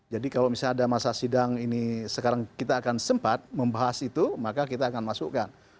jadi kalau misalnya ada masa sidang ini sekarang kita akan sempat membahas itu maka kita akan masukkan